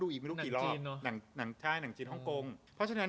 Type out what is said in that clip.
อีกไม่รู้กี่รอบหนังใช่หนังจีนฮ่องกงเพราะฉะนั้น